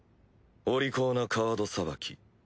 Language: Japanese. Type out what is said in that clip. お利口なカードさばき。